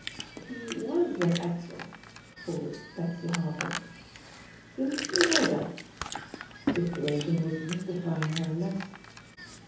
He was an actor,'* faltered Betsy Harper; didn't you know that?" The situation was mystifying her less.